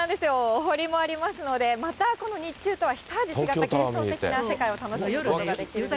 お堀もありますので、またこの日中とは、一味違って幻想的な世界を楽しむことができます。